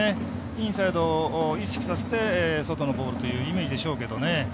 インサイド意識させて外のボールというイメージでしょうけどね